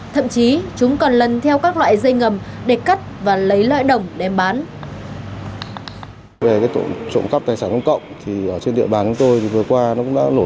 thậm chí chúng còn lần theo các loại dây ngầm để cắt và lấy lãi đồng đem bán